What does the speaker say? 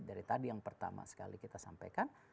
dari tadi yang pertama sekali kita sampaikan